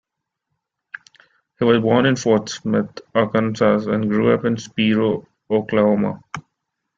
He was born in Fort Smith, Arkansas and grew up in Spiro, Oklahoma.